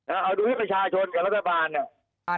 เอาดูให้ประชาชนกับรัฐบาล